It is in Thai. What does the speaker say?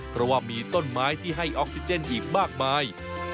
เพราะว่ามีต้นไม้ที่ให้ออกซิเจนอีกมากมาย